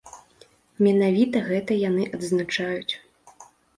Менавіта гэта яны адзначаюць.